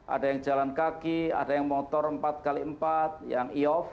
ada yang jalan kaki ada yang motor empat x empat yang e off